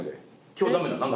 今日ダメなん？